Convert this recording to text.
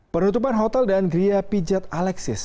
penutupan hotel dan gria pijat alexis